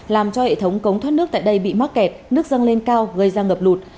làm cho hệ thống cống thoát nước tại đây bị mắc kẹt nước dâng lên cao gây ra ngập lụt